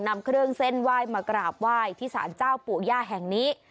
นำเครื่องเส้นไหว้มากราบไหว้ที่สารเจ้าปู่ย่าแห่งนี้